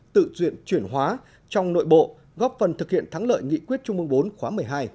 tự chuyển hóa trong nội bộ góp phần thực hiện thắng lợi nghị quyết trung mương bốn khóa một mươi hai